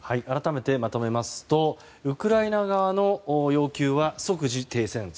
改めてまとめますとウクライナ側の要求は即時停戦。